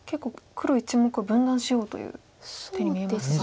黒１目を分断しようという手に見えますが。